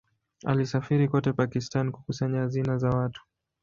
Alisafiri kote Pakistan kukusanya hazina za watu.